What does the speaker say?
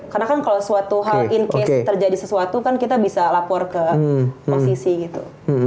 karena kan kalau suatu hal terjadi sesuatu kan kita bisa lapor ke posisi gitu